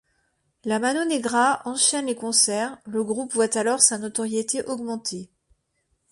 La Mano Negra enchaîne les concerts, le groupe voit alors sa notoriété augmenter.